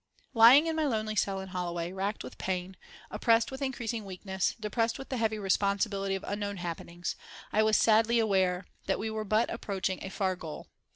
Lying in my lonely cell in Holloway, racked with pain, oppressed with increasing weakness, depressed with the heavy responsibility of unknown happenings, I was sadly aware that we were but approaching a far goal.